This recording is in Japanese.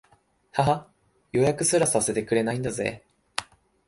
ははっ、予約すらさせてくれないんだぜ